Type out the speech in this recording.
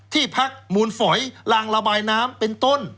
ที่พักมูลฝอยลางระบายน้ำเป็นต้น